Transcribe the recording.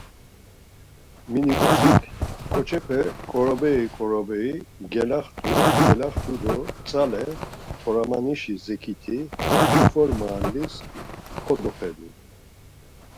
Minibusik, ǩoçepe koroberi ǩoroberi gelaxtu gelaxtu do tzale, Toramanişi Zekiti, şofor maalis kodoxedu.